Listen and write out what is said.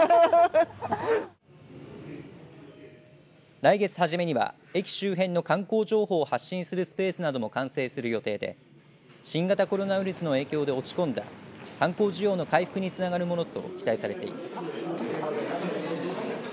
来月初めには駅周辺の観光情報を発信するスペースなども完成する予定で新型コロナウイルスの影響で落ち込んだ観光需要の回復につながるものと期待されています。